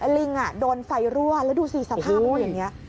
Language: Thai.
ลิงอะโดนไฟรั่วแล้วดูสิสภาพมันอย่างเนี้ย